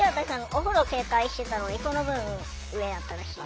お風呂正解してたのでその分上やったらしい。